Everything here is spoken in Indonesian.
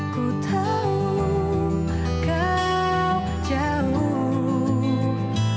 kutahu kau jauh